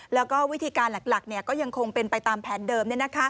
แล้วก็วิธีการหลักก็ยังคงเป็นไปตามแผนเดิม